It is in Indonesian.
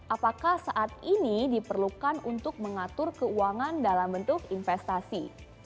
apakah saat ini diperlukan untuk mengatur keuangan dalam bentuk investasi